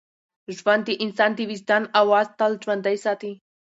ژوند د انسان د وجدان اواز تل ژوندی ساتي.